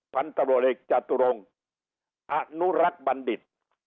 พันตะโลเล็กจัตรุรงค์อนุรักษ์บัณฑิต